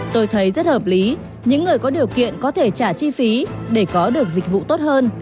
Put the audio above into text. tôi thấy rất hợp lý những người có điều kiện có thể trả chi phí để có được dịch vụ tốt hơn